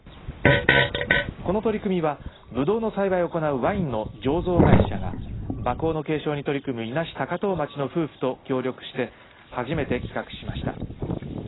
この取り組みは、ぶどうの栽培を行うワインの醸造会社が馬耕の継承に取り組む伊那市高遠町の夫婦と協力して初めて企画しました。